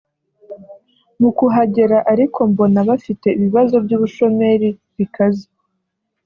mu kuhagera ariko mbona bafite ibibazo by’ubushomeri bikaze